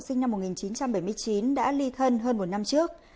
sinh năm một nghìn chín trăm bảy mươi chín đã ly thân hơn một năm trước